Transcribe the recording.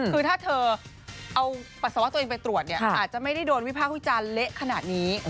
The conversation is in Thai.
คือถ้าเธอเอาปัสสาวะตัวเองไปตรวจเนี่ยอาจจะไม่ได้โดนวิพากษ์วิจารณ์เละขนาดนี้